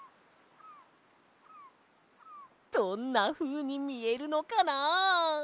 どんなふうにみえるのかな。